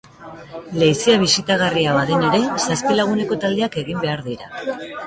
Leizea bisitagarria baden ere, zazpi laguneko taldeak egin behar dira.